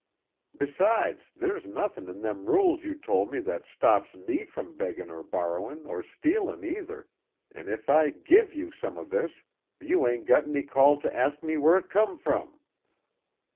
Besides, there's nothin' in them rules you told me that stops me from beggin' or borrowin', or stealin', either, an' if I give you some of this you ain't got any call to ask me where it come from."